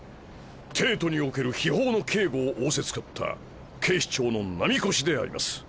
帝都における秘宝の警護を仰せつかった警視庁の波越であります。